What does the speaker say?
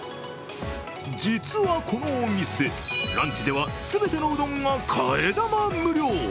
実は、このお店ランチでは全てのうどんが替え玉無料。